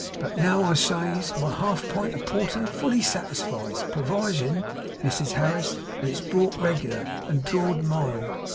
But now," I says, "my half a pint of porter fully satisfies; perwisin', Mrs Harris, that it is brought reg'lar, and draw'd mild.